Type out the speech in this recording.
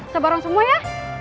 sebarang semua ya